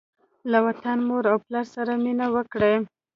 له وطن، مور او پلار سره مینه وکړئ.